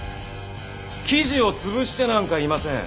記事を潰してなんかいません。